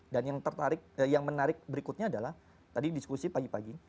dan yang menarik berikutnya adalah tadi diskusi pagi pagi